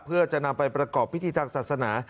เพื่อจะนำไปประกอบพิธีทางศาสนา